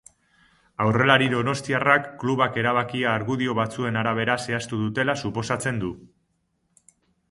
Aurrelari donostiarrak klubak erabakia argudio batzuen arabera zehaztu dutela suposatzen du.